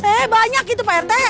eh banyak itu pak rt